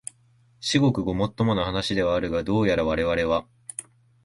至極ごもっともな話ではあるが、どうやらわれわれは、